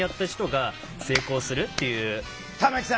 玉木さん